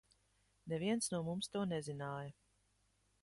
Neviens no mums to nezināja.